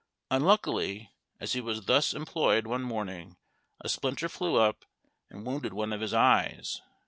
Unluckily, as he was thus employed one morning a splinter flew up and wounded one of his eyes.